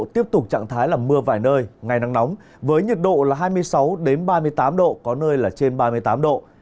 tiếp tục trạng thái là mưa vài nơi ngày nắng nóng với nhiệt độ là hai mươi sáu ba mươi tám độ có nơi là trên ba mươi tám độ